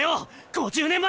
５０年前！